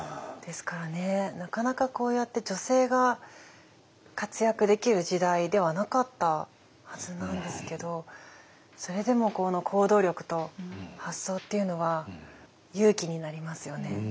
なかなかこうやって女性が活躍できる時代ではなかったはずなんですけどそれでもこの行動力と発想というのは勇気になりますよね。